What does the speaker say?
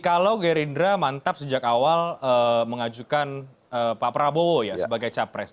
kalau gerindra mantap sejak awal mengajukan pak prabowo ya sebagai capres